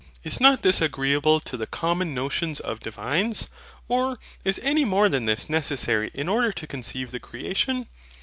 Is not this agreeable to the common notions of divines? or, is any more than this necessary in order to conceive the creation?